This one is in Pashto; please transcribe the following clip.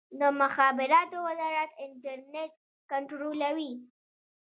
د مخابراتو وزارت انټرنیټ کنټرولوي؟